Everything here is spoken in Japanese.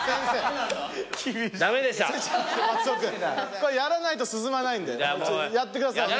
これやらないと進まないんでやってください。